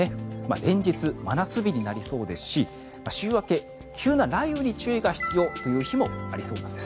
連日、真夏日になりそうですし週明け急な雷雨に注意が必要という日もありそうなんです。